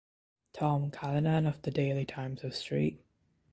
Tom Callinan of the "Daily Times" of St.